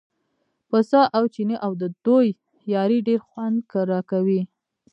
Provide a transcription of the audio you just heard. پسه او چینی او د دوی یاري ډېر خوند راکوي.